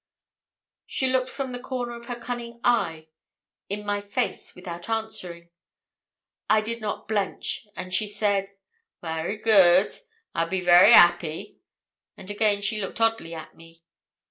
She looked from the corner of her cunning eye in my face without answering. I did not blench, and she said 'Vary good. I would be vary 'appy,' and again she looked oddly at me.